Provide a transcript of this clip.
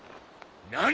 何？